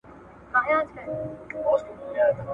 مرګ د حق او باطل ترمنځ پوله ده.